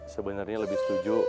sebenernya lebih setuju